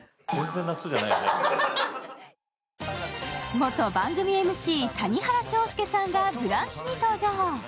元番組ＭＣ、谷原章介さんが「ブランチ」に登場。